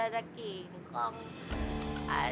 aku kena ketinggalkan